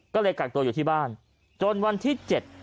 ก็เลยกักตัวอยู่ที่บ้านจนวันที่เจ็ด